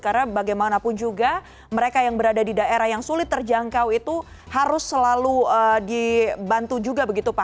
karena bagaimanapun juga mereka yang berada di daerah yang sulit terjangkau itu harus selalu dibantu juga begitu pak